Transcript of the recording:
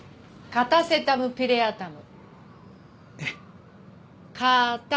カタセタムピレアタム？